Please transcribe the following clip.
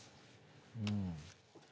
うん。